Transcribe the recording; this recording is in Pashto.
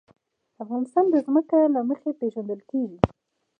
افغانستان د ځمکه له مخې پېژندل کېږي.